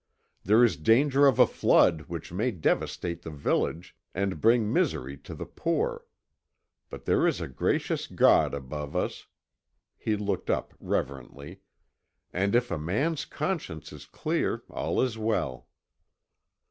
There is danger of a flood which may devastate the village, and bring misery to the poor. But there is a gracious God above us" he looked up reverently "and if a man's conscience is clear, all is well."